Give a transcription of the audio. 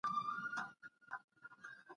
د باطل لار مه تعقيبوئ.